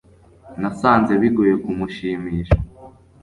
nasanze bigoye kumushimisha